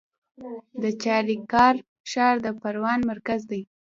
د چاریکار ښار د پروان مرکز دی